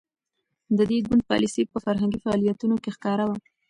د دې ګوند پالیسي په فرهنګي فعالیتونو کې ښکاره وه.